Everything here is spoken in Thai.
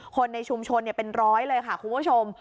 คนในชุมชนเป็นร้อยเลยค่ะคุณผู้ชม